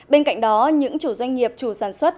bên cạnh đó những chủ doanh nghiệp chủ sản xuất